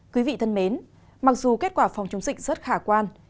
quý vị thân mến mặc dù kết quả phòng chống dịch rất khả quan